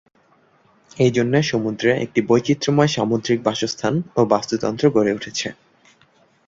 এই জন্য সমুদ্রে একটি বৈচিত্রময় সামুদ্রিক বাসস্থান ও বাস্তুতন্ত্র গড়ে উঠেছে।